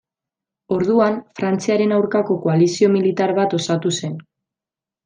Orduan, Frantziaren aurkako koalizio militar bat osatu zen.